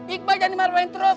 iqbal jangan dimaruhin terus